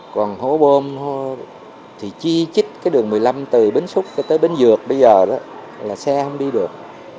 còn hố bôm thì chi chích cái đường một mươi năm từ bến xúc tới bến dược bây giờ đó là xe không đi được